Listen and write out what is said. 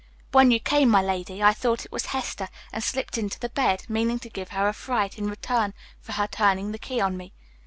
When you came, my lady, I thought it was Hester, and slipped into the bed, meaning to give her a fright in return for her turning the key on me.